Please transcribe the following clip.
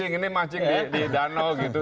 ini mancing di danau gitu